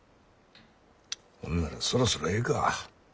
ほんならそろそろええか。